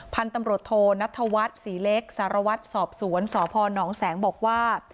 พันธุ์ตำรวจโทนัทธวัฒน์ศรีเล็กสารวัตรสอบสวนสพนแสงบอกว่า